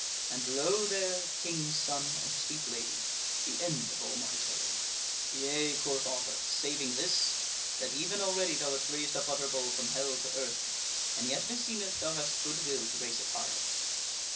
And lo there, King's Son and Sweet Lady, the end of all my tale." "Yea," quoth Otter, "saving this, that even already thou has raised up Utterbol from Hell to Earth, and yet meseemeth thou hast good will to raise it higher."